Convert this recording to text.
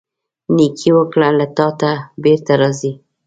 نیکۍ وکړه، له تا ته بیرته راځي.